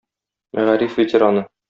мәгариф ветераны.